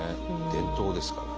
伝統ですから。